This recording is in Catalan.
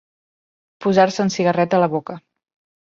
Posar-se un cigarret a la boca.